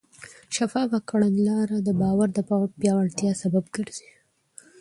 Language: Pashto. شفافه کړنلاره د باور د پیاوړتیا سبب ګرځي.